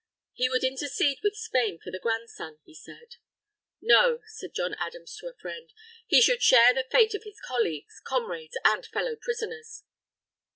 He would intercede with Spain for the grandson, he said. "No," said John Adams to a friend; "he should share the fate of his colleagues, comrades, and fellow prisoners."